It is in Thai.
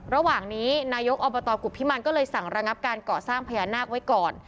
ระหว่างนี้นายกอบตกุพิมันก็เลยสั่งระงับการก่อสร้างพญานาคไว้ก่อน